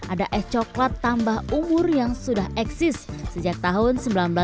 ada es coklat tambah umur yang sudah eksis sejak tahun seribu sembilan ratus sembilan puluh